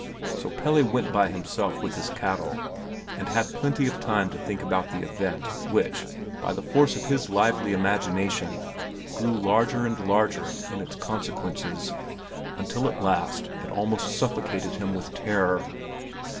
So Pelle went by himself with his cattle, and had plenty of time to think about the event, which, by the force of his lively imagination, grew larger and larger in its consequences, until at last it almost suffocated him with terror.